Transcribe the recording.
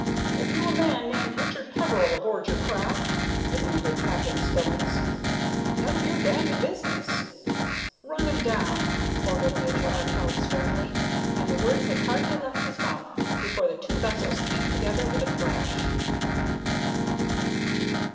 "Have you a man named Richard Peveril aboard your craft?" demanded Captain Spillins. "None of your d d business." "Run him down!" ordered Major Arkell, sternly, and the words had hardly left his mouth before the two vessels came together with a crash.